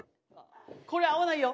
これ合わないよ。